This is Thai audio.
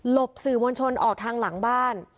บสื่อมวลชนออกทางหลังบ้าน